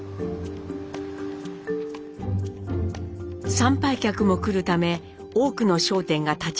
参拝客も来るため多くの商店が立ち並んでいました。